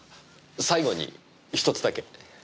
最後にひとつだけ。